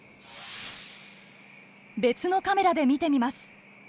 別のカメラで見てみます。